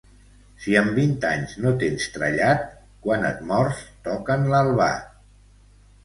Si amb vint anys no tens trellat, quan et mors toquen l'albat.